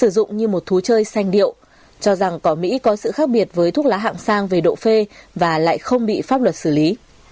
bú chơi sanh điệu cho rằng cỏ mỹ có sự khác biệt với thuốc lá hạng sang về độ phê và lại không bị pháp luật xử lý